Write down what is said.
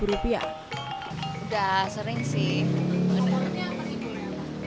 udah sering sih